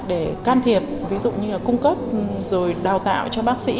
để can thiệp ví dụ như là cung cấp rồi đào tạo cho bác sĩ